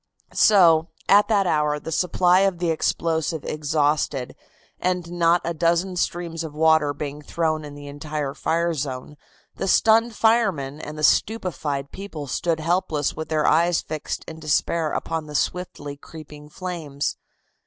So, at that hour, the supply of the explosive exhausted, and not a dozen streams of water being thrown in the entire fire zone, the stunned firemen and the stupefied people stood helpless with their eyes fixed in despair upon the swiftly creeping flames.